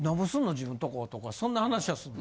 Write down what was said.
自分とことかそんな話はするの？